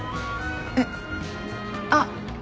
えっあっ。